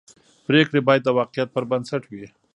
پرېکړې باید د واقعیت پر بنسټ وي